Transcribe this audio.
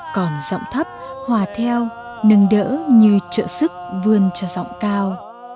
còn giọng thấp hòa theo nâng đỡ như trợ sức vươn cho giọng cao